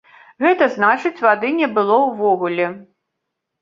Гэта значыць вады не было ўвогуле.